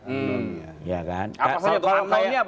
apa soalnya tuh unknown nya